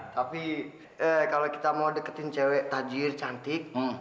tapi kalo kita mau deketin cewek tajir cantik